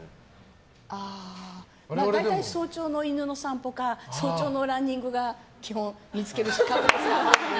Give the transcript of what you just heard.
大体、早朝の犬の散歩か早朝のランニングが基本見つける時間。